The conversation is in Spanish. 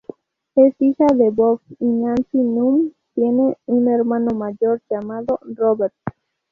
Es hija de Bob y Nancy Nunn, tiene un hermano mayor llamado Robert.